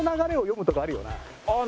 ああ！